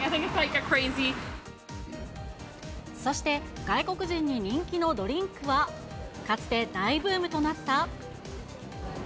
そして、外国人に人気のドリンクは、かつて大ブームとなった。